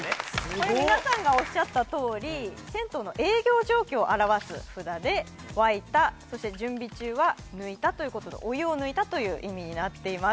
これ皆さんがおっしゃったとおり銭湯の営業状況を表す札で沸いたそして準備中は抜いたということでお湯を抜いたという意味になっています